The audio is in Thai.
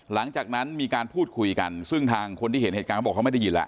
หลังจากนั้นมีการพูดคุยกันซึ่งทางคนที่เห็นเหตุการณ์เขาบอกเขาไม่ได้ยินแล้ว